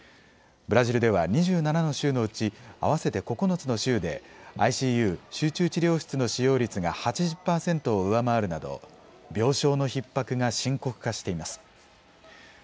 ブラジルでは２７の州のうち合わせて９つの州でＩＣＵ・集中治療室の使用率が８０％を上回るなど病床のひっ迫が深刻化しています。